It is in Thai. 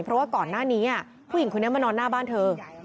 เพราะว่าก่อนหน้านี้ผู้หญิงคนนี้มานอนหน้าบ้านเธอ